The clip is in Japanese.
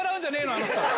あの人。